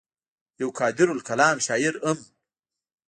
يو قادرالکلام شاعر هم وو